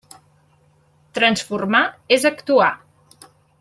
Transformar és actuar.